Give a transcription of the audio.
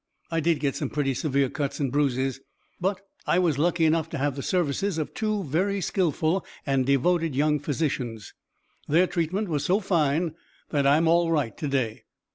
I did get some pretty severe cuts and bruises, but I was lucky enough to have the services of two very skillful and devoted young physicians. Their treatment was so fine that I'm all right to day."